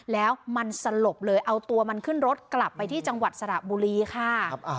แล้วมันสลบเลยเอาตัวมันขึ้นรถกลับไปที่จังหวัดสระบุรีค่ะ